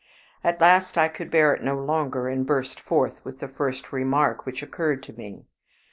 At last I could bear it no longer, and burst forth with the first remark which occurred to me.